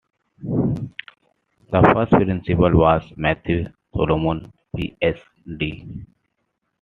The first principal was Matthew Solomon, PhD.